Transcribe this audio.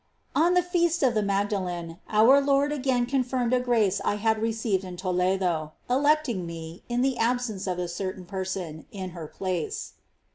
18. On the Feast of the Magdalene, our Lord again con firmed a grace I had received in Toledo, electing me, in the absence of a certain person, in her place.